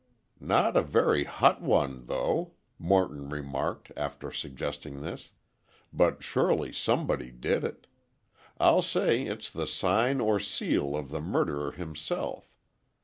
"Not a very hot one, though," Morton remarked, after suggesting this, "but surely somebody did it. I'll say it's the sign or seal of the murderer himself.